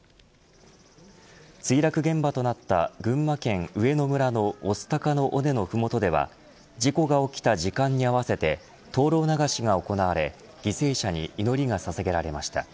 墜落現場となった群馬県上野村の御巣鷹の尾根の麓では事故が起きた時間に合わせて灯籠流しが行われ犠牲者に祈りがささげられました。